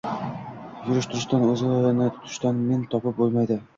Yurish-turishidan, o‘zini tutishidan min topib bo‘lmaydi